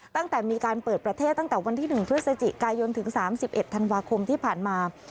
ตั้งแต่มีการเปิดประเทศตั้งแต่วันที่๑พฤศจิกายนถึง๓๑ธันวาคมที่ผ่านมา